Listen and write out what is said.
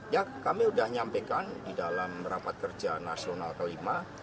ya kami sudah nyampaikan di dalam rapat kerja nasional kelima